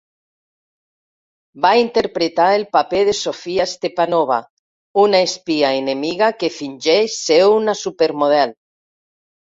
Va interpretar el paper de "Sofia Stepanova", una espia enemiga que fingeix ser una supermodel.